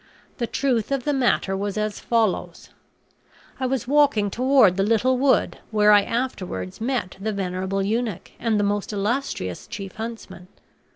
The truth of the matter was as follows: I was walking toward the little wood, where I afterwards met the venerable eunuch, and the most illustrious chief huntsman.